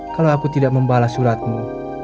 kalau aku tidak membalas suratmu